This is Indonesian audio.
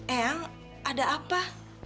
eyang ada apa